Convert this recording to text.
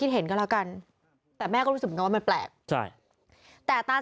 ทั้งหลวงผู้ลิ้น